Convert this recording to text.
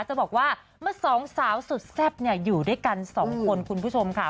จะบอกว่าเมื่อสองสาวสุดแซ่บอยู่ด้วยกันสองคนคุณผู้ชมค่ะ